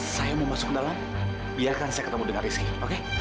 saya mau masuk ke dalam biarkan saya ketemu dengan rizky oke